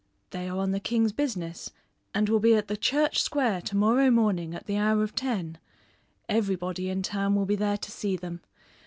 "They are on the king's business and will be at the Church Square to morrow morning at the hour of ten. Everybody in town will be there to see them.